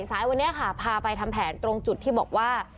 สายวันนี้ค่ะพาไปทำแผนตรงจุดที่บอกว่า